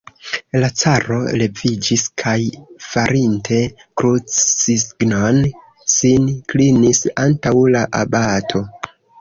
La caro leviĝis kaj, farinte krucsignon, sin klinis antaŭ la abato.